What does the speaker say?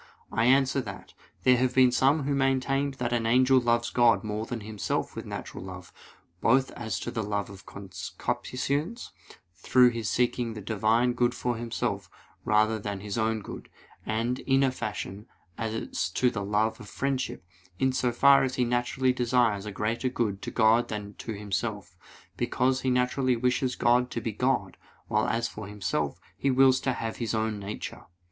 I answer that, There have been some who maintained that an angel loves God more than himself with natural love, both as to the love of concupiscence, through his seeking the Divine good for himself rather than his own good; and, in a fashion, as to the love of friendship, in so far as he naturally desires a greater good to God than to himself; because he naturally wishes God to be God, while as for himself, he wills to have his own nature.